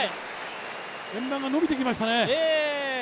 円盤が延びてきましたね。